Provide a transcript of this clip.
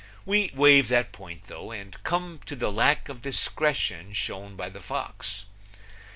We waive that point, though, and come to the lack of discretion shown by the fox.